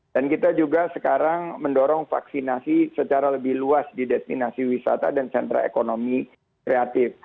dan kita juga sekarang mendorong vaksinasi secara lebih luas di destinasi wisata dan centra ekonomi kreatif